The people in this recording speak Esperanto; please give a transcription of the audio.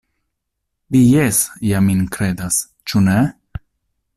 Vi jes ja min kredas, ĉu ne?